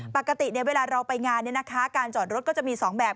ปกติเวลาเราไปงานการจอดรถก็จะมี๒แบบ